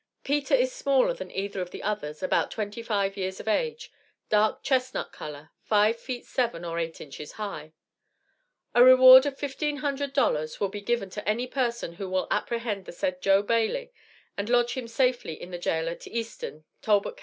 Peter is smaller than either the others, about 25 years of age, dark chestnut color, 5 feet 7 or 8 inches high. A reward of fifteen hundred dollars will be given to any person who will apprehend the said Joe Bailey, and lodge him safely in the jail at Easton, Talbot Co.